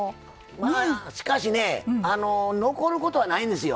しかしね残ることはないですよ。